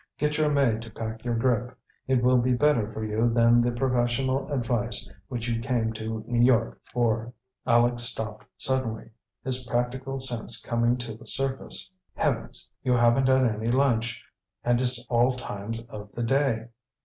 Get your maid to pack your grip. It will be better for you than the 'professional advice' which you came to New York for." Aleck stopped suddenly, his practical sense coming to the surface. "Heavens! You haven't had any lunch, and it's all times of the day!"